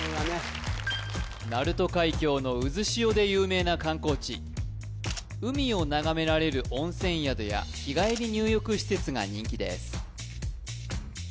鳴門海峡の渦潮で有名な観光地海を眺められる温泉宿や日帰り入浴施設が人気です